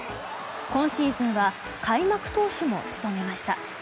今シーズンは開幕投手も務めました。